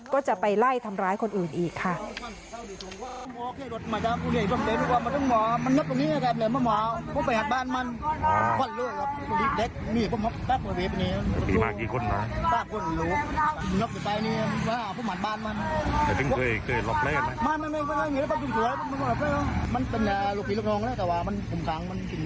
ได้ทำร้ายคนอื่นอีกค่ะ